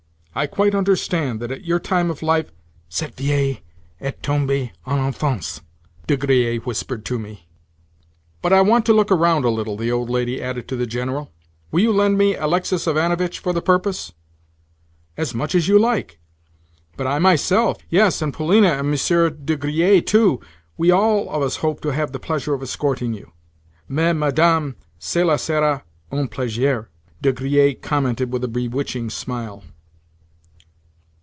"I quite understand that at your time of life—" "Cette vieille est tombée en enfance," De Griers whispered to me. "But I want to look round a little," the old lady added to the General. Will you lend me Alexis Ivanovitch for the purpose? "As much as you like. But I myself—yes, and Polina and Monsieur de Griers too—we all of us hope to have the pleasure of escorting you." "Mais, madame, cela sera un plaisir," De Griers commented with a bewitching smile.